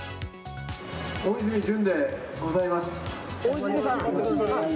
大泉潤でございます。